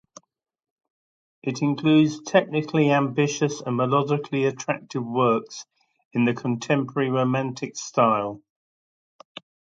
It includes technically ambitious and melodically attractive works in the contemporary Romantic style.